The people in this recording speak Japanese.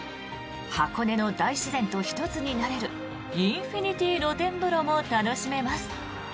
箱根の大自然と一つになれるインフィニティ露天風呂も楽しめます。